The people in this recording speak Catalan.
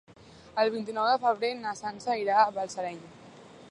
El vint-i-nou de febrer na Sança irà a Balsareny.